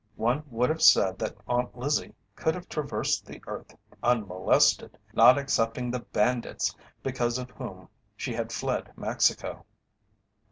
One would have said that Aunt Lizzie could have traversed the earth unmolested, not excepting the bandits because of whom she had fled Mexico.